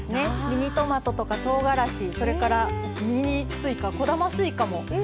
ミニトマトとかとうがらしそれからミニすいかこだますいかも育ててるんですよ。